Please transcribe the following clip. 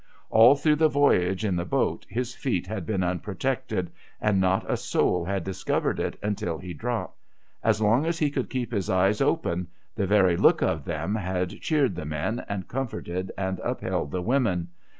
All through the voyage in the boat his feet had been unprotected ; and not a soul had discovered it until he dropped ! As long as he could keep his eyes open, the very look of them had cheered the men, and comforted and upheld the women.